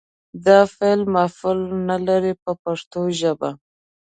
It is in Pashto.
دا فعل مفعول نه لري په پښتو ژبه.